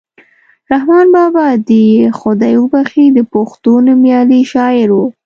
رحمان بابا دې یې خدای وبښي د پښتو نومیالی شاعر ؤ.